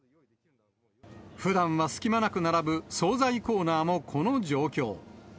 ふだんは隙間なく並ぶ総菜コーナーもこの状況。